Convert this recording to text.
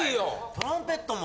トランペットも？